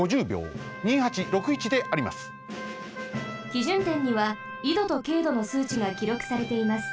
基準点には緯度と経度のすうちがきろくされています。